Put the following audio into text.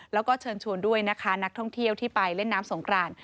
แล้วก็เชิญชวนด้วยนะคะนักท่องเที่ยวที่ไปเล่นน้ำสงกราน